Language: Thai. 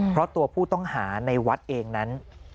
เพราะตัวผู้ต้องหาในวัดเองนั้น